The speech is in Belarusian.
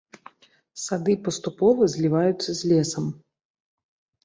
Сады паступова зліваюцца з лесам.